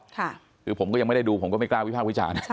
คือผมก็ยังไม่ได้ดูผมก็ไม่กล้าวิภาควิจารณ์